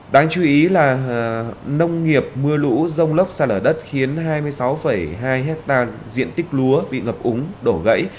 đáng chú ý là nông nghiệp mưa lũ rông lốc sạt lở đất khiến hai mươi sáu hai hectare diện tích lúa bị ngập úng đổ gãy